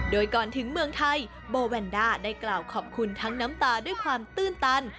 โดยก่อนถึงเมืองไทยโบแวนด้าได้กล่าวขอบคุณทั้งน้ำตาด้วยความตื้นตัน